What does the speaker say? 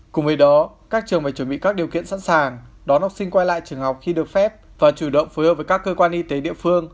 cùng với đó các trường phải chuẩn bị các điều kiện sẵn sàng đón học sinh quay lại trường học khi được phép và chủ động phối hợp với các cơ quan y tế địa phương